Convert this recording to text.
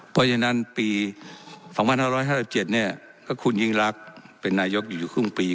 เพราะฉะนั้นปี๒๕๕๗เนี่ยก็คุณยิ่งรักเป็นนายกอยู่ครึ่งปี